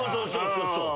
そうそう。